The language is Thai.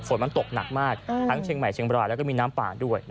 ฝนตกหนักมากทั้งเช็งใหม่เช็งบราษและมีน้ำป่าด้วย